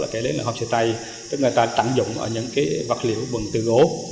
kể đến là homestay tức là người ta tạm dụng những vật liệu bằng từ gỗ